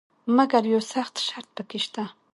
مګر یو سخت شرط پکې شته.